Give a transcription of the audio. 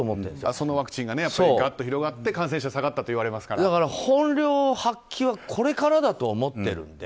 そのワクチンが広がってがっと感染者が下がったと本領発揮はこれからだと思っているので。